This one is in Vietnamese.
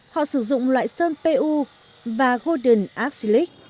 họ sử dụng loại sơn pu và golden archilic